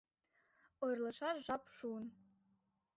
Ойырлаш жап шуын.